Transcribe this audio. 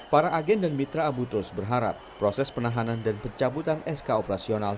para agen dan mitra abu turs berharap proses penahanan dan pencabutan sk operasional